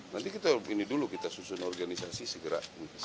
nanti kita ini dulu kita susun organisasi segera